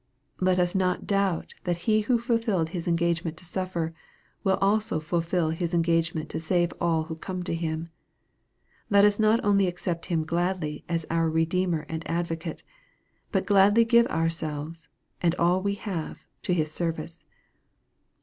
Let us not doubt that He who fulfilled his engagement to suffer, will also fulfil His engagement to save all who come to Him. Let us not only accept Him gladly as our Redeemer and Advocate, but gladly give ourselves, and all we have, to His ser vice.